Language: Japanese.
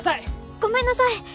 ごめんなさい！